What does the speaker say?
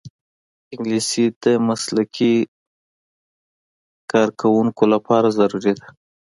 انګلیسي د مسلکي کارکوونکو لپاره ضروري ده